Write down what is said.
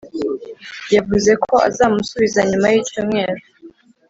yavuze ko azamusubiza nyuma y'icyumweru